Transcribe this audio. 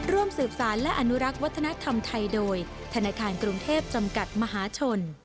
ร่วมสืบสารและอนุรักษ์วัฒนธรรมไทยโดยธนาคารกรุงเทพจำกัดมหาชน